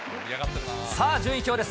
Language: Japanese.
さあ順位表です。